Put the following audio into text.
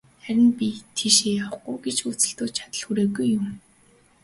Харин би тийшээ явахгүй гэж хөөцөлдөөд, чадал хүрээгүй юм.